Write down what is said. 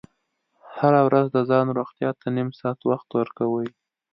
هره ورځ د ځان روغتیا ته نیم ساعت وخت ورکوئ.